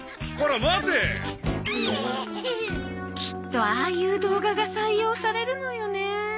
きっとああいう動画が採用されるのよね。